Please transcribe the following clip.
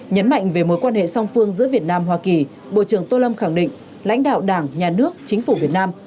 nhấn mạnh về mối quan hệ song phương giữa việt nam hoa kỳ bộ trưởng tô lâm khẳng định lãnh đạo đảng nhà nước chính phủ việt nam